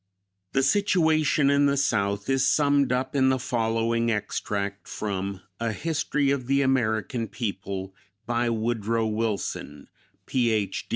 The situation in the South is summed up in the following extract from "A History of the American People," by Woodrow Wilson, Ph.